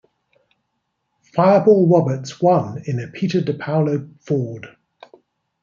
Fireball Roberts won in a Peter DePaolo Ford.